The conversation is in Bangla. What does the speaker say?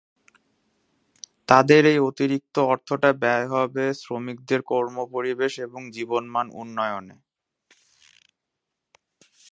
তাদের এই অতিরিক্ত অর্থটা ব্যয় হবে শ্রমিকদের কর্মপরিবেশ এবং জীবনমান উন্নয়নে।